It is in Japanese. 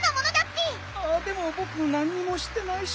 ああでもぼくなんにもしてないし。